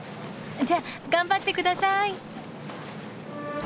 じゃあ頑張ってください。